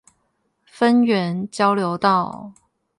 芬園交流道